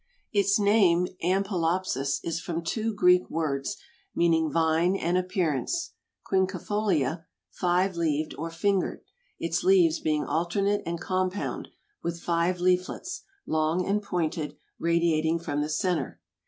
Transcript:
Its name Ampelopsis is from two Greek words, meaning vine and appearance; quinquefolia, five leaved or fingered; its leaves being alternate and compound, with five leaflets, long and pointed, radiating from the center.